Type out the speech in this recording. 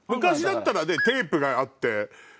昔だったらテープがあって。